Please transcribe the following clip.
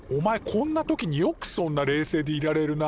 こんな時によくそんな冷静でいられるな。